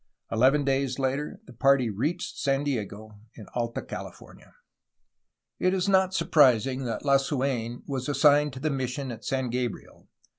Eleven days later, the party reached San Diego in Alta Cahfornia. It is not surprising that Lasuen was assigned to the mis sion at San Gabriel.